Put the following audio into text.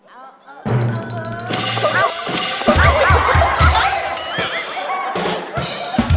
เอ้าอุ๊ย